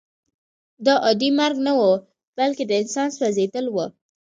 دا عادي مرګ نه و بلکې د انسان سوځېدل وو